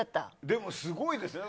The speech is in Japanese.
でも、すごいですね。